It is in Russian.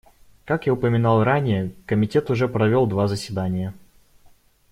Как я упоминал ранее, Комитет уже провел два заседания.